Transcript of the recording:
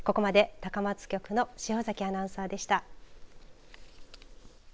ここまで高松局の塩崎アナウンサーでした。